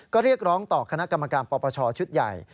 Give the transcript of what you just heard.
ก็เรียกร้องต่อคณะกรรมการปปชชุดใหญ่